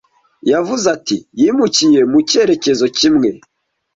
Yavuze ati Yimukiye mu cyerekezo kimwe